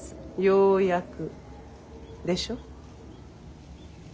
ようやくでしょう。